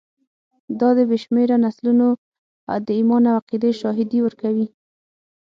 دا د بې شمېره نسلونو د ایمان او عقیدې شاهدي ورکوي.